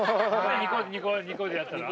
次２個でやったら？